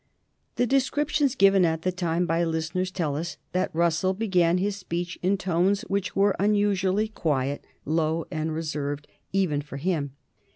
The descriptions given at the time by listeners tell us that Russell began his speech in tones which were unusually quiet, low, and reserved even for him.